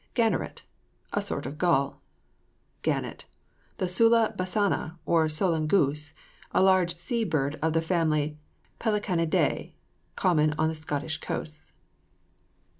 GANNERET. A sort of gull. GANNET. The Sula bassana, or solan goose: a large sea bird of the family Pelecanid├", common on the Scottish coasts.